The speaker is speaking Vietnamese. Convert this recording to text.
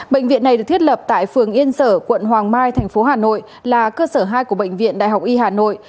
bệnh viện này được thiết lập tại phường yên sở quận hoàng mai thành phố hà nội là cơ sở hai của bệnh viện đại học y hà nội